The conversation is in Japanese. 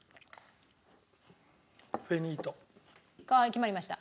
決まりました？